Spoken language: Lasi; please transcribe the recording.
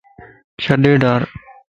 ڇڏي ڊار